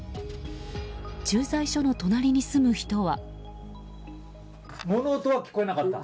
駐在所の隣に住む人は。